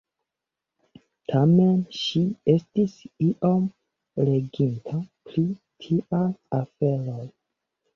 Tamen ŝi estis iom leginta pri tiaj aferoj.